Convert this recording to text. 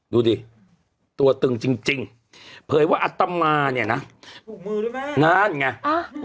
ดูดิตัวตึงจริงจริงเผยว่าอัตมาเนี่ยนะถูกมือด้วยไหมนั่นไงอ่า